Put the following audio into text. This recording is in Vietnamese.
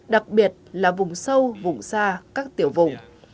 đặc biệt là vùng sâu vùng xa các tiểu vùng